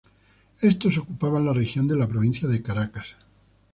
Estos ocupaban la región de la provincia de Caracas.